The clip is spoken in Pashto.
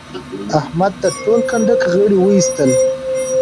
احمد د ټول کنډک غړي واېستل.